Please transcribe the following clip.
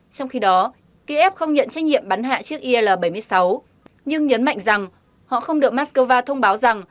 trong khi đó kế ép không nhận trách nhiệm bắn hạ chiếc il bảy mươi sáu nhưng nhấn mạnh rằng họ không được moscow thông báo rằng